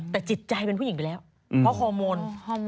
แต่จิตใจเป็นผู้หญิงไปแล้วเพราะฮอร์โมน